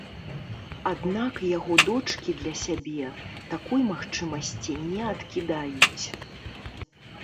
Аднак яго дочкі для сябе такой магчымасці не адкідаюць.